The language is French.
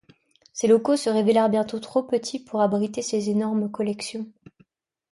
Ses locaux se révélèrent bientôt trop petits pour abriter ses énormes collections.